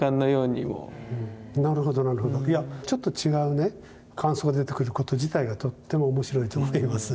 いやちょっと違う感想が出てくること自体がとっても面白いと思います。